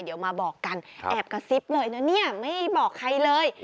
เดี๋ยวมาบอกกันแอบกระซิบเลยนะเนี่ยไม่บอกใครเลย